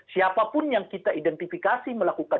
siapapun yang kita identifikasi melakukan ini kita bisa melakukan